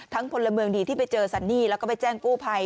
พลเมืองดีที่ไปเจอสันนี่แล้วก็ไปแจ้งกู้ภัย